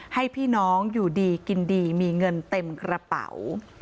ให้พี่น้องอยู่ดีกินดีมีเงินเต็มกระเป๋า